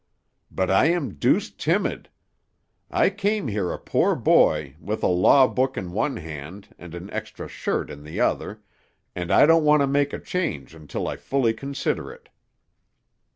"But I am deuced timid. I came here a poor boy, with a law book in one hand and an extra shirt in the other, and I don't want to make a change until I fully consider it."